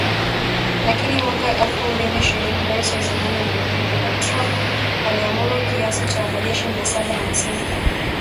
Lakini mwaka elfu mbili ishirini, Rais wa zamani wa Marekani Donald Trump aliamuru kiasi cha wanajeshi mia saba hamsini wa Marekani nchini Somalia kuondoka